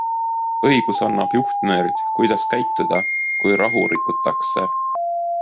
Õigus annab juhtnöörid, kuidas käituda, kui rahu rikutakse.